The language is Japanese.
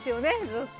ずっと。